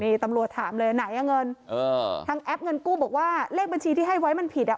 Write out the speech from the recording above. นี่ตำรวจถามเลยไหนอ่ะเงินทางแอปเงินกู้บอกว่าเลขบัญชีที่ให้ไว้มันผิดอ่ะ